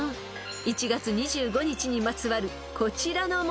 ［１月２５日にまつわるこちらの問題］